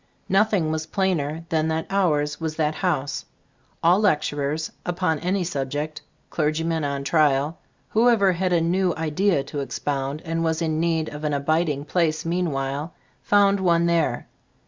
Nothing was plainer than that ours was that house. All lecturers, upon any subject, clergymen on trial, who ever had a new idea to expound and was in need of an abiding place mean while, found one there.